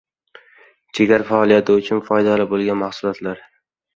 Jigar faoliyati uchun foydali bo‘lgan mahsulotlar